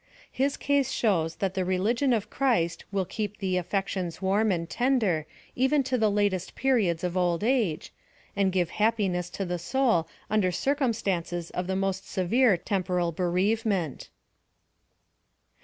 His case shows that the religion of Christ will keep the affections warm and tender even to the latest periods of old age, and give happiness to the soul under circumstances of the most severe temporal bereavement.